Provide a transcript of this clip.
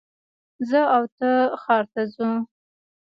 زه او ته ښار ته ځو